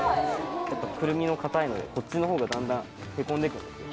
くるみが硬いのでこっちのほうがだんだんへこんで行く。